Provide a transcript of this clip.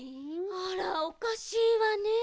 あらおかしいわね。